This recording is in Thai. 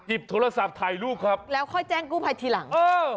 โทรศัพท์ถ่ายรูปครับแล้วค่อยแจ้งกู้ภัยทีหลังเออ